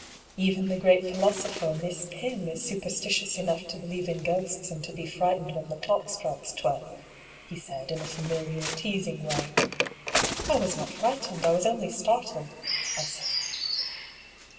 Even the great philosopher. Miss Pym, is super stitious enough to believe in ghosts and to be frightened when the clock strikes twelve," he said, in a familiar teasing way. " I was not frightened ; I was only startled," I said.